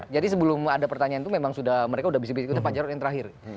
jadi sebelum ada pertanyaan itu memang sudah mereka sudah bisa ikut pak jarod yang terakhir